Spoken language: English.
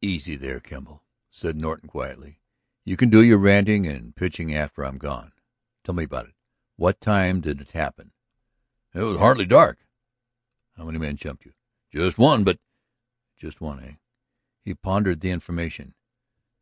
"Easy there, Kemble," said Norton quietly. "You can do your raring and pitching after I'm gone. Tell me about it. What time did it happen?" "It was hardly dark." "How many men jumped you?" "Just one. But ..." "Just one, eh?" He pondered the information.